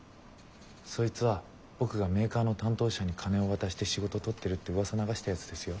そいつは僕がメーカーの担当者に金を渡して仕事取ってるってうわさ流したやつですよ？